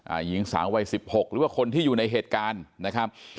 หญิงสาววัยสิบหกหรือว่าคนที่อยู่ในเหตุการณ์นะครับ